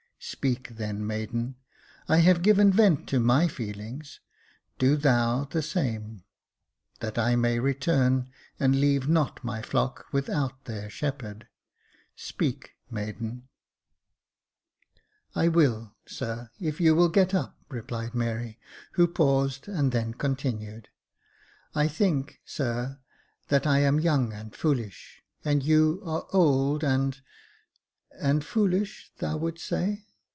Speak, then maiden. I have given vent to my feelings, do thou the same, that I may return, and leave not my flock without their shepherd. Speak, maiden." Jacob Faithful 255 "I will, sir, if you will get up," replied Mary, who paused, and then continued. "I think, sir," that I am young and foolish, and you are old and — and "" Foolish, thou wouldst say."